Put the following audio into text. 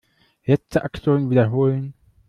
Letzte Aktion wiederholen.